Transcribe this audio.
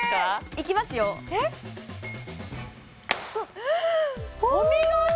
いきますよお見事！